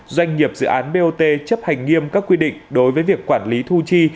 doanh nghiệp dự án bot chấp hành nghiêm các quy định đối với việc quản lý thu chi